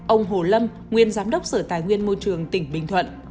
ông hồ lâm nguyên giám đốc sở tài nguyên môi trường tỉnh bình thuận